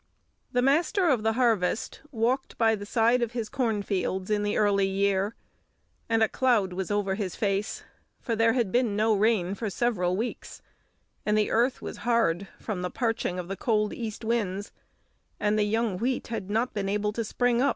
The Master of the Harvest walked by the side of his cornfields in the early year, and a cloud was over his face, for there had been no rain for several weeks, and the earth was hard from the parching of the cold east winds, and the young wheat had not been able to spring up.